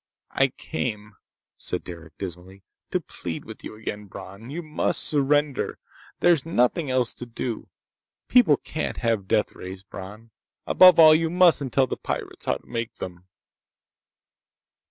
"I came," said Derec dismally, "to plead with you again, Bron. You must surrender! There's nothing else to do! People can't have deathrays, Bron! Above all, you mustn't tell the pirates how to make them!"